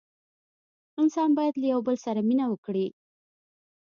انسانان باید له یوه بل سره مینه وکړي.